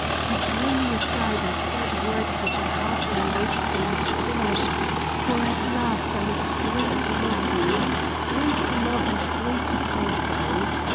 You drew me aside and said words which I hardly waited for you to finish, for at last I was free to love you, free to love and free to say so.